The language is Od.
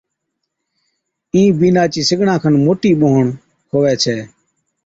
اِين بِينڏا چِي سِگڙان کن موٽِي ٻوھڻ کووي ڇَي